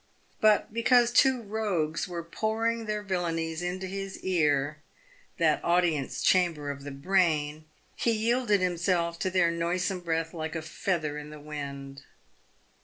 But because two rogues were pouring their villanies into his ear — that audience chamber of the brain — he yielded himself to their noisome breath like a feather in the wind.